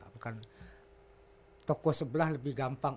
bukan tokoh sebelah lebih gampang